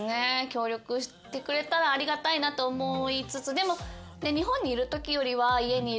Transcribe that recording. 協力してくれたらありがたいなと思いつつでも。